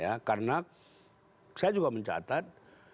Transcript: ya karena saya juga mencatat